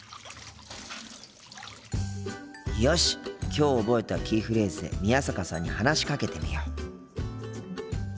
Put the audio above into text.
きょう覚えたキーフレーズで宮坂さんに話しかけてみよう。